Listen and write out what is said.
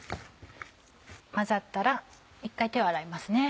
混ざったら１回手を洗いますね。